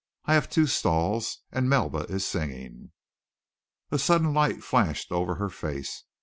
I have two stalls, and Melba is singing." A sudden light flashed over her face.